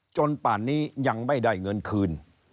ป่านนี้ยังไม่ได้เงินคืน